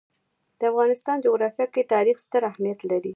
د افغانستان جغرافیه کې تاریخ ستر اهمیت لري.